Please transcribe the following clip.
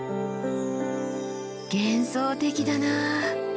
幻想的だなあ。